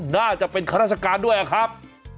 น่าจะเป็นฆาตรัสกาลด้วยครับ